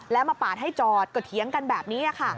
แล้วมาปาดให้จอดก็เถียงกันแบบนี้ค่ะ